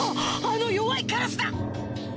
あの弱いカラスだ！